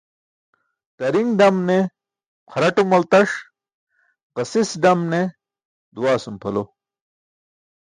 Tari̇ṅ dam ne xaraṭum maltaş, ġasis dam ne duwaasum pʰalo.